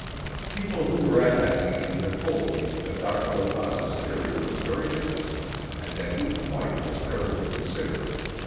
People who were at that meeting have told me that Dr. La Paz's theory was very interesting and that each point was carefully considered.